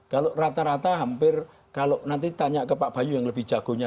kalau rata rata hampir kalau nanti tanya ke pak bayu yang lebih jagonya